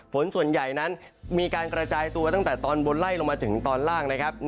ฝนส่วนใหญ่นั้นมีการกระจายตัวตั้งแต่ตอนบนไล่ลงมาถึงตอนล่างนะครับ